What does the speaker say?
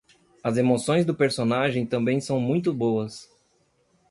As emoções do personagem também são muito boas.